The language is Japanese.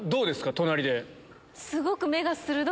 隣で。